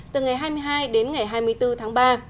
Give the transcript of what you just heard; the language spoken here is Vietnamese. từ ngày hai mươi hai đến ngày hai mươi bốn tháng ba